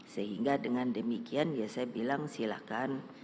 sehingga dengan demikian ya saya bilang silahkan